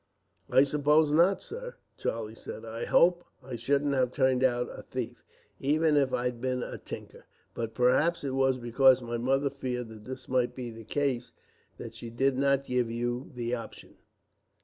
"I suppose not, sir," Charlie said. "I hope I shouldn't have turned out a thief, even if I'd been a tinker; but perhaps it was because my mother feared that this might be the case, that she did give you the option."